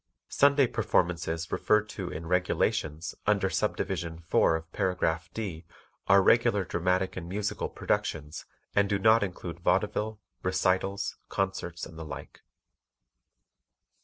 Sunday performances referred to in "Regulations" under Subdivision 4 of Paragraph D are regular dramatic and musical productions and do not include vaudeville, recitals, concerts and the like.